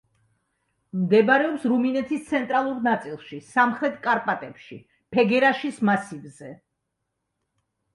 მდებარეობს რუმინეთის ცენტრალურ ნაწილში, სამხრეთ კარპატებში, ფეგერაშის მასივზე.